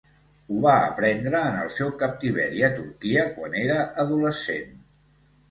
Ho va aprendre en el seu captiveri a Turquia quan era adolescent.